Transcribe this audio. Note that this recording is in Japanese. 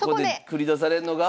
繰り出されるのが。